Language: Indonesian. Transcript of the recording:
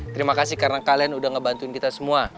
terima kasih karena kalian udah ngebantuin kita semua